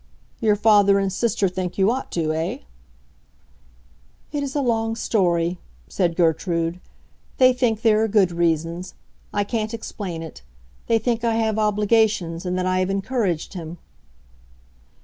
"Your father and sister think you ought to, eh?" "It is a long story," said Gertrude. "They think there are good reasons. I can't explain it. They think I have obligations, and that I have encouraged him."